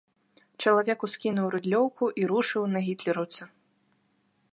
Чалавек ускінуў рыдлёўку і рушыў на гітлераўца.